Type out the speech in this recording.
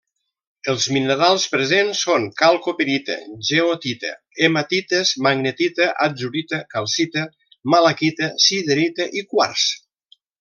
Els minerals presents són calcopirita, goethita, hematites, magnetita, atzurita, calcita, malaquita, siderita i quars.